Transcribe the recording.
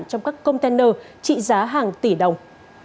trong các container trị giá hàng tỷ đồng